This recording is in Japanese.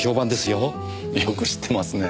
よく知ってますね。